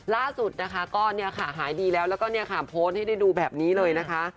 ล่าสุดก็หายดีแล้วแล้วก็โพสต์ให้ได้ดูแบบนี้เลยนะคะ